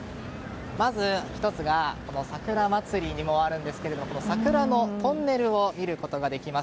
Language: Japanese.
まず１つがこの桜まつりにもあるんですが桜のトンネルを見ることができます。